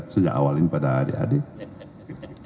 sejak awal ini pada adik adik